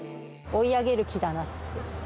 追い上げる気だなって。